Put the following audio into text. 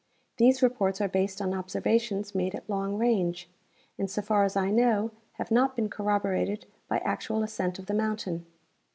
These reports are based on observations made at long range, and so far as I know have not been corroborated by actual ascent of the mountain.